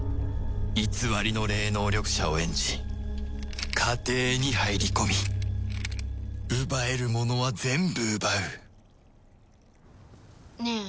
偽りの霊能力者を演じ家庭に入り込み奪えるものは全部奪うねえ